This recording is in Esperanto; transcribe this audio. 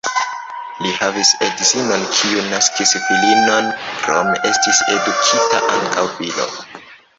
Li havis edzinon, kiu naskis filinon, krome estis edukita ankaŭ filo.